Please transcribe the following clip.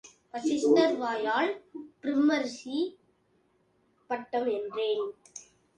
வஸிஷ்டர் வாயால் பிரும்ம ரிஷி பட்டம் என்றேன்.